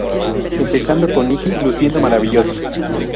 Empezando con Nicki luciendo maravillosa".